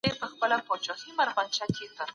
هر هیواد خپلې ځانګړې ستونزې لري.